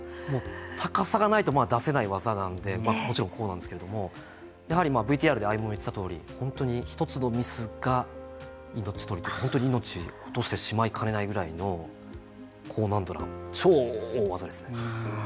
もう高さがないと出せない技なんでもちろんこうなんですけれどもやはりＶＴＲで歩夢が言っていたとおり本当に１つのミスが命取り本当に命を落としてしまいかねないぐらいの高難度な超大技ですね。